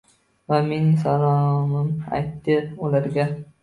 Va mening salomim ayt, der ularga —